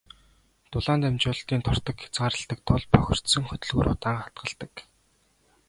Дулаан дамжуулалтыг тортог хязгаарладаг тул бохирдсон хөдөлгүүр удаан халдаг.